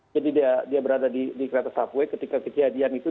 jadi dia berada di kereta subway ketika kejadian itu